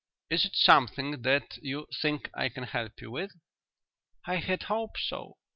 "Is it something that you think I can help you with?" "I had hoped so.